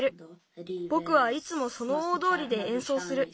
ぼくはいつもその大どおりでえんそうする。